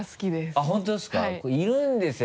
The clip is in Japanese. あっ本当ですか？